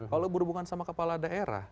kalau berhubungan sama kepala daerah